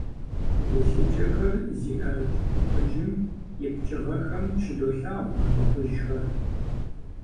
Телъыджэхэр зи ӀэрыкӀ ӀутӀыжым и пкӀыгъэхэм щыдолъагъу а лӀыхъужьхэр.